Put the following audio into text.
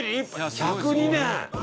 １０２年！？